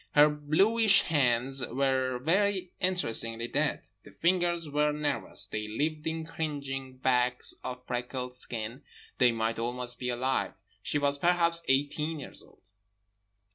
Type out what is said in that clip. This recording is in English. Her bluish hands were very interestingly dead; the fingers were nervous, they lived in cringing bags of freckled skin, they might almost be alive. She was perhaps eighteen years old.